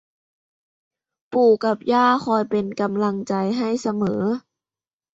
ปู่กับย่าคอยเป็นกำลังใจให้เสมอ